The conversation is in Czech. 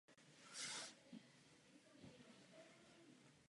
Je typickým představitelem mongolského juda.